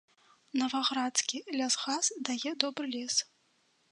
Наваградскі лясгас дае добры лес.